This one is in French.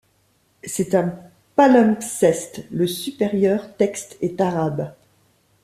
C'est un palimpseste, le supérieur texte est arabe.